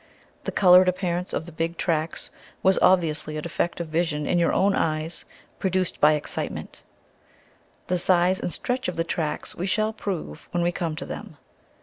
The colored appearance of the big tracks was obviously a defect of vision in your own eyes produced by excitement. The size and stretch of the tracks we shall prove when we come to them.